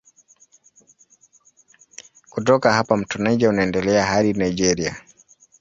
Kutoka hapa mto Niger unaendelea hadi Nigeria.